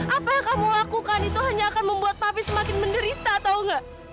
apa yang kamu lakukan itu hanya akan membuat papi semakin menderita atau enggak